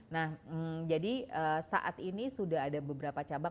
nah jadi saat ini sudah ada beberapa cabang